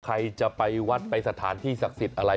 ใครจะไปวัดไปสถานที่ศักดิ์สิทธิ์อะไร